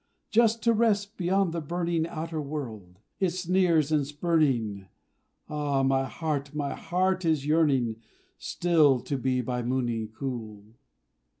Just to rest beyond the burning Outer world its sneers and spurning Ah! my heart my heart is yearning Still to be by Mooni cool!